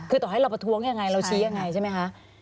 คือต่อให้เราประท้วงยังไงเราชี้ยังไงใช่ไหมคะ